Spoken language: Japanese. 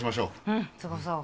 うん過ごそう。